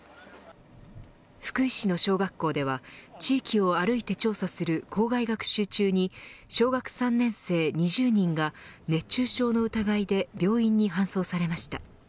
福井市の小学校では地域を歩いて調査する校外学習中に小学３年生２０人が熱中症の疑いで病院に搬送されました。